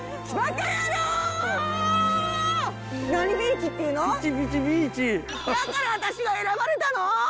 だから私が選ばれたの！？